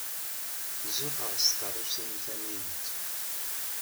Zuxxeɣ s tkeṛṛust-inu tamaynut.